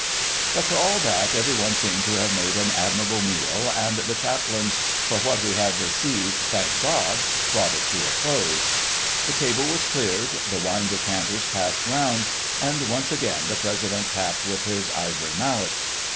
But for all that every one seemed to have made an admirable meal, and the Chaplain's "For what we have received, thank God!" brought it to a close. The table was cleared, the wine decanters passed round, and once again the President tapped with his ivory mallet.